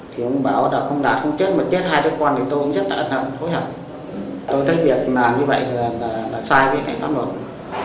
thì ông bảo là không đạt không chết mà chết hai đứa con thì tôi cũng chết tạm không có hiểu